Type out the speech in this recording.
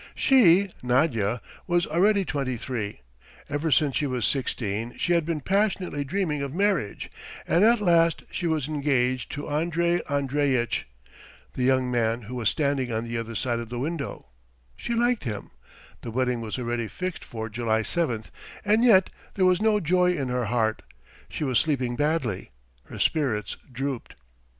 She, Nadya, was already twenty three. Ever since she was sixteen she had been passionately dreaming of marriage and at last she was engaged to Andrey Andreitch, the young man who was standing on the other side of the window; she liked him, the wedding was already fixed for July 7, and yet there was no joy in her heart, she was sleeping badly, her spirits drooped.